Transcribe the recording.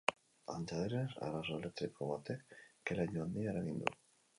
Antza denez, arazo elektriko batek ke-laino handia eragin du.